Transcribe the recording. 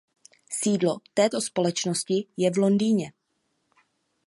Sídlo této společnosti je v Londýně.